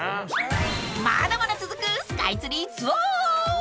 ［まだまだ続くスカイツリーツアー］